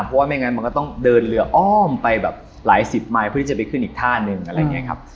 เพราะว่าไม่งั้นมันก็ต้องเดินเรืออ้อมไปแบบหลายสิบไม้เพื่อที่จะไปขึ้นอีกท่านึงอะไรอย่างนี้ครับ